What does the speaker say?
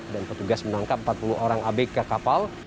dan petugas menangkap empat puluh orang abk kapal